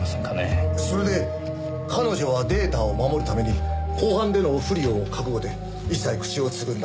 それで彼女はデータを守るために公判での不利を覚悟で一切口をつぐんだ。